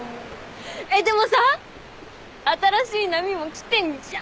でもさ新しい波も来てんじゃん？